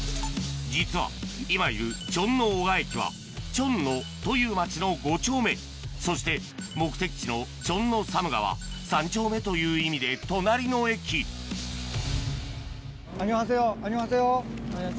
実は今いるチョンノオガ駅は鐘路という町の５丁目そして目的地のチョンノサムガは３丁目という意味で隣の駅アニョハセヨ。